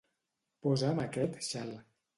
Posa'm aquest xal.